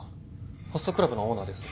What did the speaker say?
ホストクラブのオーナーです。